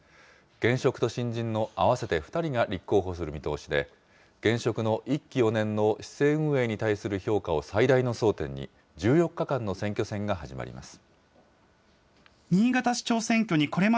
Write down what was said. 現職と新人の合わせて２人が立候補する見通しで、現職の１期４年の市政運営に対する評価を最大の争点に、１４日間の選挙戦が始まります。